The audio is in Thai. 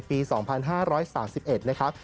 ปี๒๕๓๑นะครับ